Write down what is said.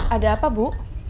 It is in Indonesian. ada apa bu